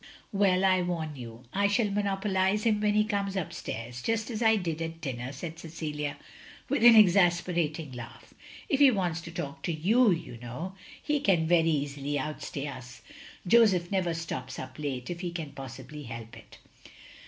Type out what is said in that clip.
"Well, I warn you, I shall monopolise him when he comes up stairs, just as I did at dinner, " said Cecilia, with an exasperating laugh. "If he wants to talk to you, you know, he can very OF GROSVENOR SQUARE 227 easily outstay us. Joseph never stops up late if he can possibly help it.